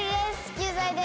９歳です。